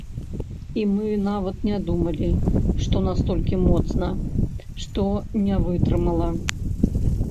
І мы нават не думалі, што настолькі моцна, што не вытрымала.